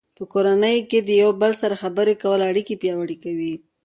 په کورنۍ کې د یو بل سره خبرې کول اړیکې پیاوړې کوي.